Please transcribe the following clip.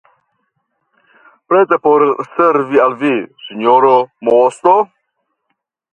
Preta por servi al vi, sinjora moŝto!